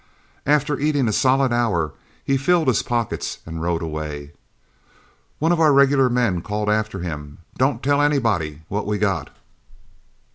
After eating a solid hour, he filled his pockets and rode away. One of our regular men called after him, 'Don't tell anybody what we got.'